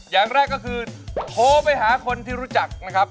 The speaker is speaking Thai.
อย่างแรกก็คือโทรไปหาคนที่รู้จักนะครับ